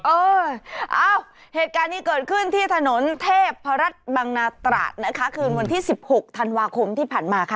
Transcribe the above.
เออเอ้าเหตุการณ์นี้เกิดขึ้นที่ถนนเทพรัฐบังนาตราดนะคะคืนวันที่๑๖ธันวาคมที่ผ่านมาค่ะ